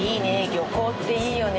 漁港っていいよね。